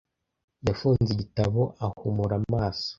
Yafunze igitabo ahumura amaso.